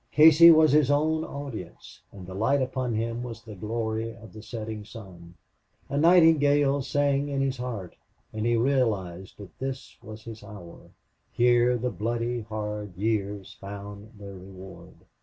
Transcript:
Casey was his own audience, and the light upon him was the glory of the setting sun. A nightingale sang in his heart, and he realized that this was his hour. Here the bloody, hard years found their reward.